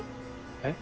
えっ？